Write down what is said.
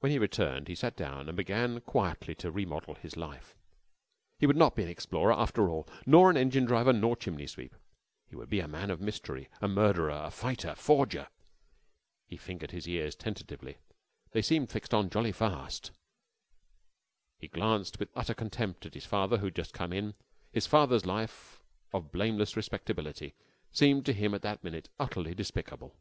When he returned he sat down and began quietly to remodel his life. He would not be an explorer, after all, nor an engine driver nor chimney sweep. He would be a man of mystery, a murderer, fighter, forger. He fingered his ears tentatively. They seemed fixed on jolly fast. He glanced with utter contempt at his father who had just come in. His father's life of blameless respectability seemed to him at that minute utterly despicable.